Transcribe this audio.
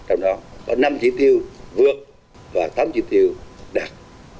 trong đó có năm chỉ tiêu vượt và tám chỉ tiêu đạt